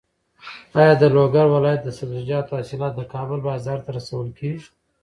ایا د لوګر ولایت د سبزیجاتو حاصلات د کابل بازار ته رسول کېږي؟